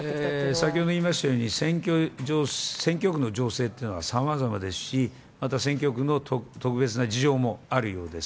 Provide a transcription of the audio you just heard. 先ほども言いましたように、選挙区の情勢というのは、さまざまですし、また選挙区の特別な事情もあるようです。